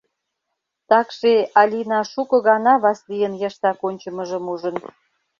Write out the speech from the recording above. Такше, Алина шуко гана Васлийын йыштак ончымыжым ужын...